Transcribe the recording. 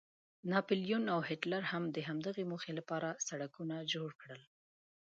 ناپلیون او هیټلر هم د همدغې موخې لپاره سړکونه جوړ کړل.